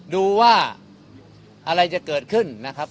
ดูว่าอะไรจะเกิดขึ้นนะครับ